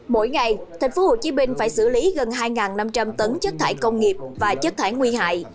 mỗi ngày tp hcm phải xử lý gần hai năm trăm linh tấn chất thải công nghiệp và chất thải nguy hại